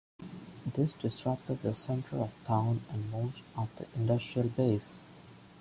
This disrupted the center of town and most of the industrial base.